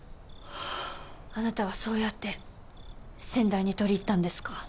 あなたはそうやって先代に取り入ったんですか？